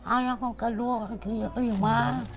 anaknya kedua kelima